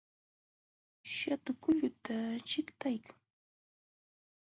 Shatu kulluta chiqtaykan